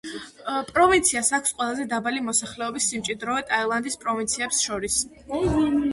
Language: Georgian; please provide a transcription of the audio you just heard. პროვინციას აქვს ყველაზე დაბალი მოსახლეობის სიმჭიდროვე ტაილანდის პროვინციებს შორის.